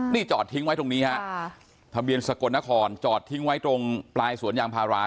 นี่จอดทิ้งไว้ตรงนี้ฮะทะเบียนสกลนครจอดทิ้งไว้ตรงปลายสวนยางพารา